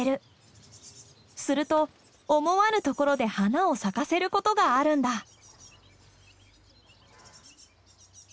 すると思わぬところで花を咲かせることがあるんだ。